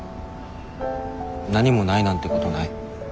何もないなんてことない。